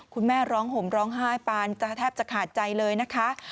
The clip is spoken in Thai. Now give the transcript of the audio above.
คุณแม่ร้องห่มร้องไห้ปานจะแทบจะขาดใจเลยนะคะ